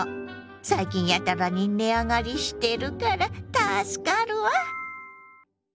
最近やたらに値上がりしてるから助かるわ！